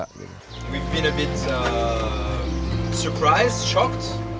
kita agak terkejut terkejut